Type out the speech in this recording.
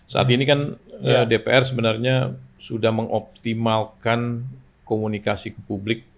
saat ini kan dpr sebenarnya sudah mengoptimalkan komunikasi ke publik